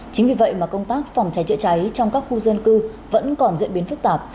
chính vì vậy mà công tác phòng cháy chữa cháy trong các khu dân cư vẫn còn diễn biến phức tạp